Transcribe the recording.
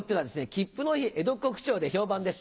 きっぷのいい江戸っ子口調で評判です。